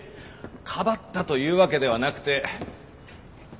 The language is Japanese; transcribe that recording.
かばったというわけではなくて。